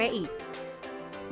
yang resmi tidak perlu khawatir